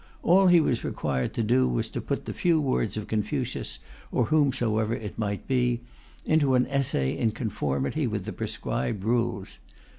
All he was required to do was to put the few words of Confucius, or whomsoever it might be, into an essay in conformity with the prescribed rules.